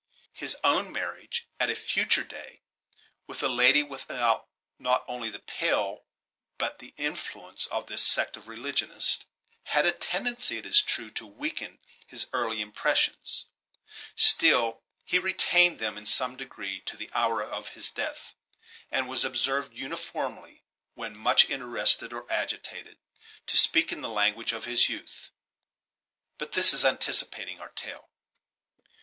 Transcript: His own marriage at a future day with a lady without not only the pale, but the influence, of this sect of religionists, had a tendency, it is true, to weaken his early impressions; still he retained them in some degree to the hour of his death, and was observed uniformly, when much interested or agitated, to speak in the language of his youth. But this is anticipating our tale.